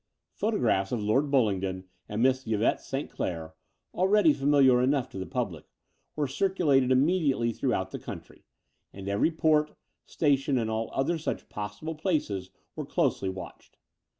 Photographs of Lord Bullingdon and Miss Yvette St. Clair, already familiar enough to the public, were circulated immediately throughout the country ; and every port, station, and all other such possible places were closely watched.